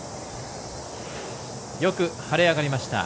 よく晴れ渡りました。